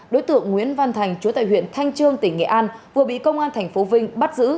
đối tượng nguyễn văn thành chủ tại huyện thanh trương tỉnh nghệ an vừa bị công an thành phố vinh bắt giữ